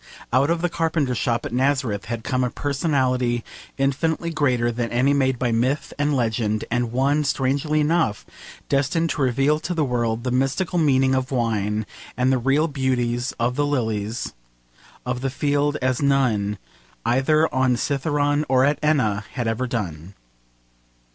Out of the Carpenter's shop at Nazareth had come a personality infinitely greater than any made by myth and legend, and one, strangely enough, destined to reveal to the world the mystical meaning of wine and the real beauties of the lilies of the field as none, either on Cithaeron or at Enna, had ever done.